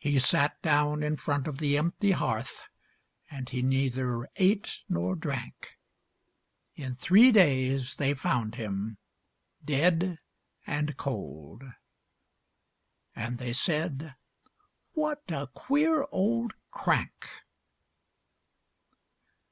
He sat down in front of the empty hearth, And he neither ate nor drank. In three days they found him, dead and cold, And they said: "What a queer old crank!"